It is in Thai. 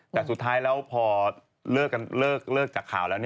แต่สุดท้ายแล้วพอเลิกจากข่าวแล้ว